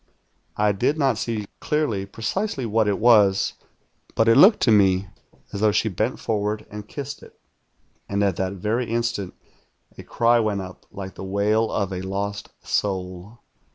I did not see clearly precisely what it was; but it looked to me as though she bent forward and kissed it; and at that very instant a cry went up like the wail of a lost soul.